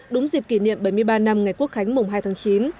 đúng dịp kỷ niệm bảy mươi ba năm ngày quốc khánh mùng hai tháng chín